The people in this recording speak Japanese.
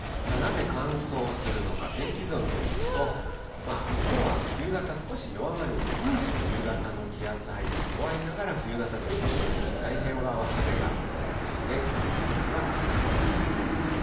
なぜ乾燥するのか、天気図を見てみますと、きょうは冬型、少し弱まるんですが、冬型の気圧配置、弱いながら、冬型ということで、太平洋側は晴れが続いて、きょうも空気は乾燥しそうです。